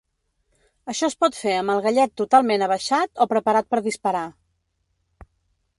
Això es pot fer amb el gallet totalment abaixat o preparat per disparar.